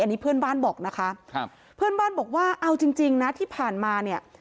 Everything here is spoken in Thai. อันนี้เพื่อนบ้านบอกนะคะครับเพื่อนบ้านบอกว่าเอาจริงจริงนะที่ผ่านมาเนี่ย